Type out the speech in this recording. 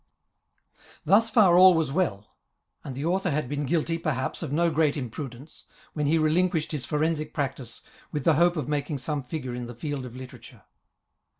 Thus fSar all was well, and the Author had been guiiiy, perhaps, of no great imprudence, when he relinquished his forensic practice with the hope of making some figure in the field of literature.